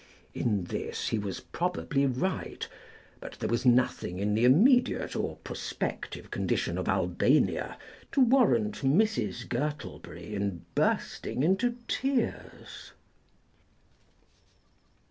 In this he was probably right, but there was nothing in the immediate or prospective condition of Albania to warrant Mrs. Gurtleberry in bursting into tears.